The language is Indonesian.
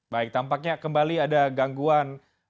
baik tampaknya kembali ada gangguan